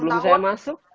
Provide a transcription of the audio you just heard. sebelum saya masuk